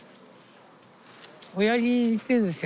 おやじに似てるんですよ